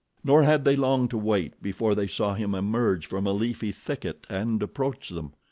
Nor had they long to wait before they saw him emerge from a leafy thicket and approach them.